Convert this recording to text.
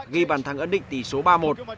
ghi bàn thắng ẩn định tỷ số ba một